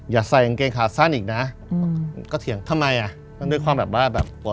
อย่าใส่กางเกงขาสั้นอีกนะก็เถียงทำไมอ่ะมันด้วยความแบบว่าแบบ